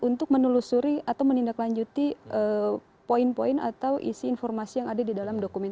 untuk menelusuri atau menindaklanjuti poin poin atau isi informasi yang ada di dalam dokumen